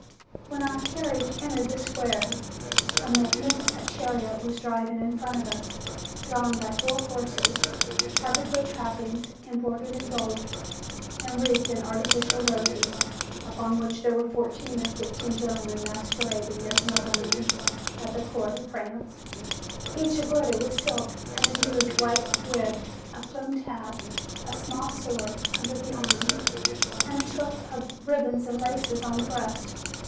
When our carriage entered the square, a magnifi cent chariot was driving in front of us, drawn by four horses covered with trappings embroidered in gold, and wreathed in artificial roses, upon which there were fourteen or fifteen gentlemen masquerading as noble men at the court of France, each aglitter with silk, with a huge, white wig, a plumed hat, a small sword : THE LAST DAY OF THE CARNIVAL 151 under the arm, and a tuft of ribbons and laces on the breast.